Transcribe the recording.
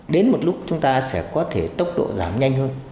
đến một lúc chúng ta sẽ có thể tốc độ giảm nhanh hơn